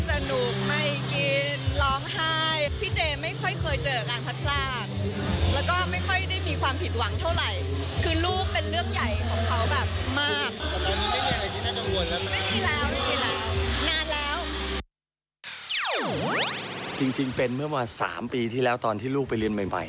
จริงเป็นเมื่อมา๓ปีที่แล้วตอนที่ลูกไปเรียนใหม่